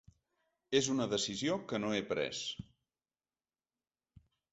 És una decisió que no he pres.